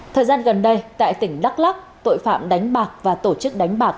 thời gian gần đây tại tỉnh đắk lắc tội phạm đánh bạc và tổ chức đánh bạc